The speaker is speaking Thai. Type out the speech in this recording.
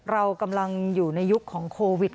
เรากำลังอยู่ในยุคของโควิด